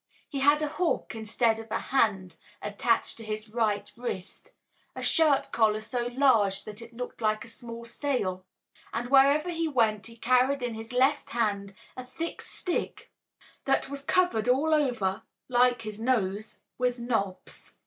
He had a hook instead of a hand attached to his right wrist, a shirt collar so large that it looked like a small sail, and wherever he went he carried in his left hand a thick stick that was covered all over (like his nose) with knobs.